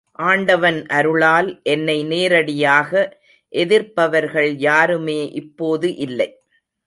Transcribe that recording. ஆண்டவன் அருளால் என்னை நேரடியாக எதிர்ப்பவர்கள் யாருமே இப்போது இல்லை.